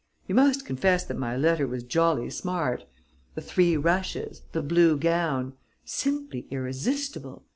You must confess that my letter was jolly smart! The three rushes, the blue gown; simply irresistible!